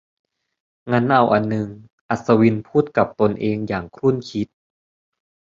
งั้นเอาอันนึง อัศวินพูดกับตนเองอย่างครุ่นคิด